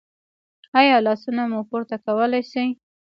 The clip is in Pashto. ایا لاسونه مو پورته کولی شئ؟